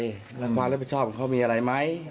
แล้วความรับผิดชอบของเขามีอะไรไหม